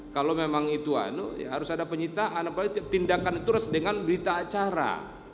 kalau memang itu anu ya harus ada penyitaan apalagi tindakan itu harus dengan berita acara